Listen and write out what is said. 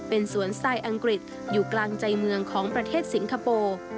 เป็นสวนทรายอังกฤษอยู่กลางใจเมืองของประเทศสิงคโปร์